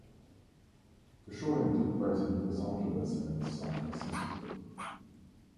The shooting took place in Los Angeles and San Francisco.